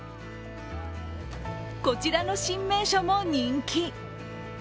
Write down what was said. こちらの新名所も人気。